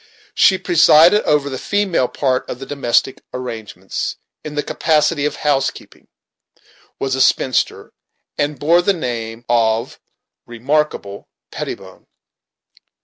She presided over the female part of the domestic arrangements, in the capacity of housekeeper; was a spinster, and bore the name of Remarkable Pettibone.